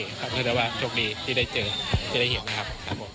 ใจว่าชกดีที่ได้เจอที่ได้เห็นครับ